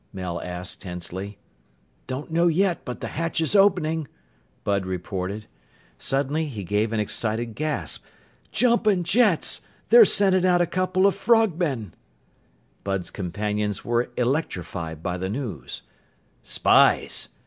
Mel asked tensely. "Don't know yet, but the hatch is opening," Bud reported. Suddenly he gave an excited gasp. "Jumpin' jets! They're sending out a couple of frogmen!" Bud's companions were electrified by the news. "Spies!"